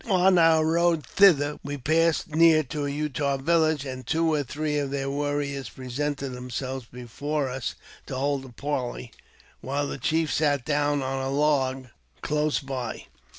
On our road thither we passed near to a Utah village, and two or three of their warriors presented themselves before us to hold a parley, while the chief sat down on a log close by.